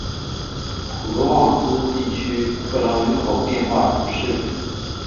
普罗旺斯地区特朗人口变化图示